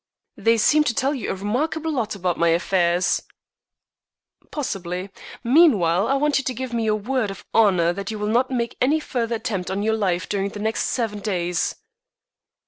"They seem to tell you a remarkable lot about my affairs." "Possibly. Meanwhile I want you to give me your word of honor that you will not make any further attempt on your life during the next seven days."